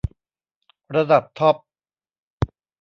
ระดับท็อป